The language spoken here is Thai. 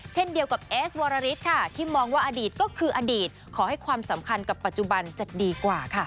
เช่นเดียวกับเอสวรริสค่ะที่มองว่าอดีตก็คืออดีตขอให้ความสำคัญกับปัจจุบันจะดีกว่าค่ะ